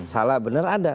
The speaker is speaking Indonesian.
salah bener ada